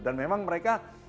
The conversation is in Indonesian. dan memang mereka